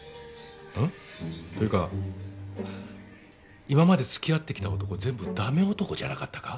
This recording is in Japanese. というか今まで付き合ってきた男全部ダメ男じゃなかったか。